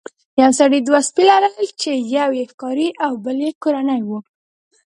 یو سړي دوه سپي لرل چې یو یې ښکاري او بل یې کورنی و.